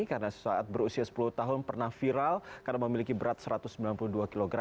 karena saat berusia sepuluh tahun pernah viral karena memiliki berat satu ratus sembilan puluh dua kg